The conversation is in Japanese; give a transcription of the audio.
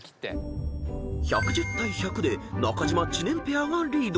［１１０対１００で中島・知念ペアがリード］